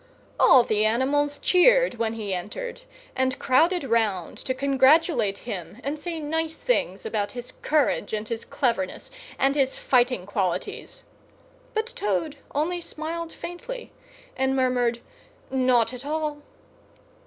All the animals cheered when he entered, and crowded round to congratulate him and say nice things about his courage, and his cleverness, and his fighting qualities; but Toad only smiled faintly, and murmured, "Not at all!"